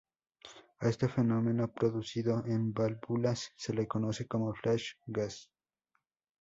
A este fenómeno producido en válvulas se le conoce como flash-gas.